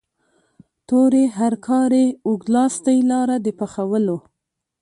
تورې هرکارې اوږد لاستی لاره د پخولو.